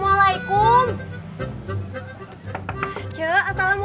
waalaikumsalam pak rt